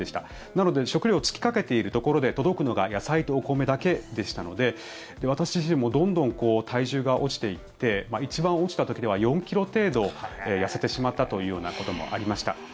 なので、食料が尽きかけているところで届くのが野菜とお米だけでしたので私自身もどんどん体重が落ちていって一番落ちた時では４ｋｇ程度痩せてしまったというようなこともありました。